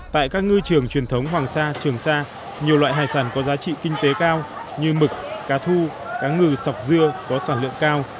tại các ngư trường truyền thống hoàng sa trường sa nhiều loại hải sản có giá trị kinh tế cao như mực cá thu cá ngừ sọc dưa có sản lượng cao